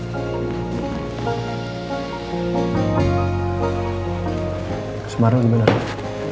ke sumarno gimana pak